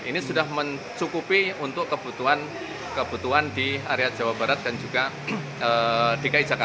ini sudah mencukupi untuk kebutuhan di area jawa barat dan juga dki jakarta